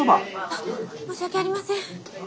あっ申し訳ありません。